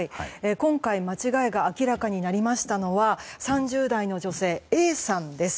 今回間違えが明らかになりましたのは３０代の女性、Ａさんです。